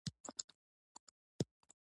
فورسټر له غزني او قلات لاري کندهار ته رسېدلی.